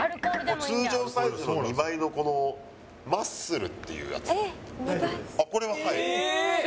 通常サイズの２倍のこのマッスルっていうやつは？